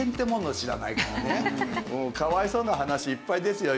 かわいそうな話いっぱいですよ。